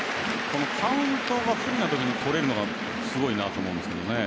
カウントが不利なときに放れるのがすごいなと思うんですけどね。